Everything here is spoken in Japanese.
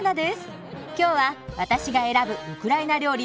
今日は私が選ぶウクライナ料理